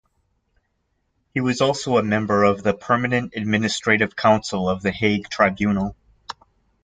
He was also a member of the Permanent Administrative Council of The Hague Tribunal.